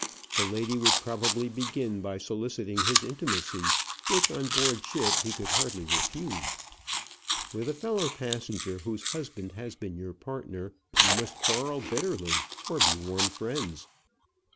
The lady would probably begin by soliciting his intimacy, which on board ship he could hardly refuse. With a fellow passenger, whose husband has been your partner, you must quarrel bitterly or be warm friends.